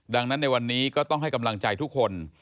ดังนั้นในวันนี้ก็ต้องให้กำลังใจทุกคน